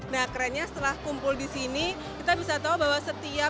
nah kerennya setelah kumpul di sini kita bisa tahu bahwa setiap